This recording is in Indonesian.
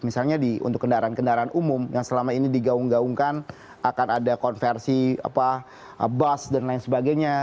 misalnya untuk kendaraan kendaraan umum yang selama ini digaung gaungkan akan ada konversi bus dan lain sebagainya